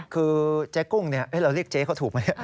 คือเจ๊กุ้งเราเรียกเจ๊เขาถูกไหม